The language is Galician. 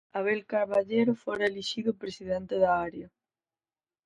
Abel Caballero fora elixido presidente da área.